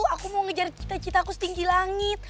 aku mau ngejar cita citaku setinggi langit